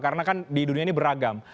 karena kan di dunia ini beragam